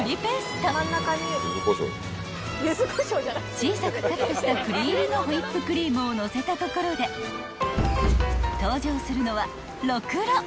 ［小さくカットした栗入りのホイップクリームをのせたところで登場するのは］